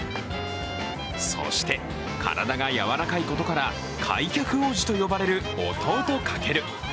そして、体がやわらかいことから開脚王子と呼ばれる弟・翔。